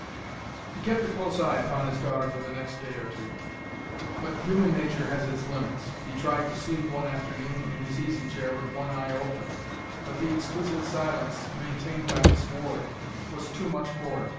He kept a close eye upon his daughter for the next day or two, but human nature has its limits. He tried to sleep one afternoon in his easy chair with one eye open, but the exquisite silence maintained by Miss Ward was too much for it.